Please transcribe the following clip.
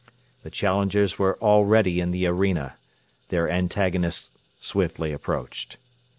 The challengers were already in the arena; their antagonists swiftly approached.